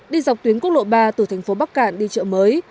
đi dọc tuyến quốc lộ ba từ thành phố bắc cạn đi chợ mới